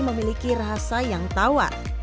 memiliki rasa yang tawar